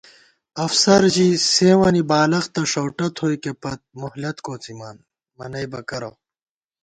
افسر ژِی سېوں وَنی بالَختہ ݭؤٹہ تھوئیکےپت، مہلت کوڅِمان، منَئیبہ کرہ